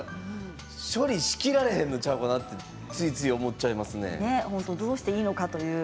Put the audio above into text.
処理しきられへんかなとついつい思っちゃいますね。